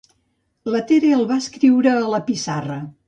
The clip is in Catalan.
La Tere el va escriure a la pissarra.